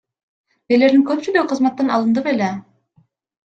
Мэрлердин көпчүлүгү кызматтан алынды беле?